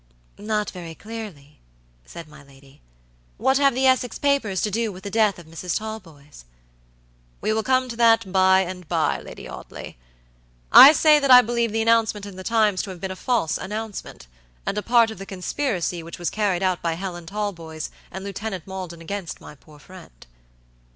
"Not very clearly," said my lady. "What have the Essex papers to do with the death of Mrs. Talboys?" "We will come to that by and by, Lady Audley. I say that I believe the announcement in the Times to have been a false announcement, and a part of the conspiracy which was carried out by Helen Talboys and Lieutenant Maldon against my poor friend."